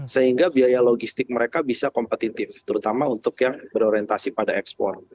sehingga biaya logistik mereka bisa kompetitif terutama untuk yang berorientasi pada ekspor